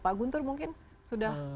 pak guntur mungkin sudah